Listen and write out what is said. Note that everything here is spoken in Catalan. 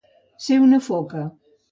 Ser una foca.